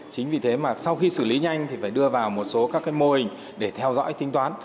chính vì thế mà sau khi xử lý nhanh thì phải đưa vào một số các mô hình để theo dõi tính toán